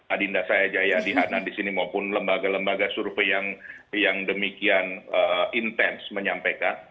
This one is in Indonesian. adinda saya jayadi hanan di sini maupun lembaga lembaga survei yang demikian intens menyampaikan